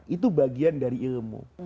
itu bagian dari ilmu